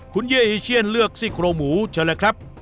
คุณเย้อีเชียนเลือกซิโครหมูเฉลยครับ